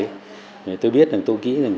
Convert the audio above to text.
thế tôi biết rằng tôi kỹ rằng tôi kỹ